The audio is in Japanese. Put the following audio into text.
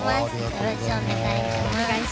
よろしくお願いします。